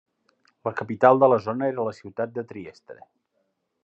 La capital de la zona era la ciutat de Trieste.